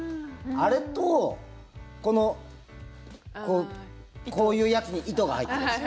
あれと、こういうやつに糸が入ってるやつ。